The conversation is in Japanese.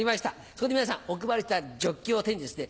そこで皆さんお配りしたジョッキを手にですね